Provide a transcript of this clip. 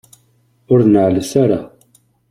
Ur neɛɛlet ara.